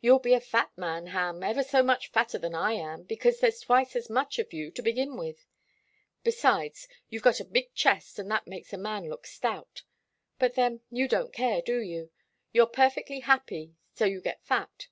You'll be a fat man, Ham ever so much fatter than I am, because there's twice as much of you, to begin with. Besides, you've got a big chest and that makes a man look stout. But then, you don't care, do you? You're perfectly happy, so you get fat.